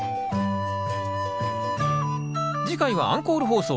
次回はアンコール放送